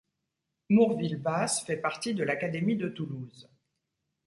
Mourvilles-Basses fait partie de l'académie de Toulouse.